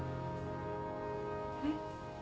えっ？